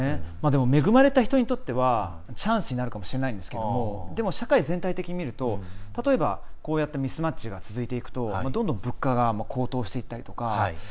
恵まれた人にとってはチャンスになるかもしれないんですけどでも社会全体的に見ると例えば、ミスマッチが続いていくと、どんどん物価が高騰していったりとか。